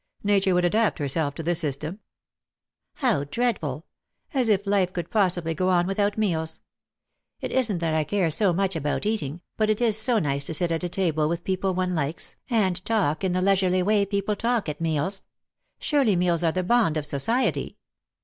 Nature would adapt herself to the system." " How dreadful ! As if life could possibly go on without meals. It isn't that I care so much about eating, but it is so nice to sit at a table with people one likes, and talk in the leisurely way people talk at meals. Surely meals are the bond of society."